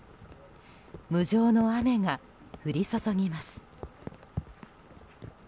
無情の雨が降り注ぎます。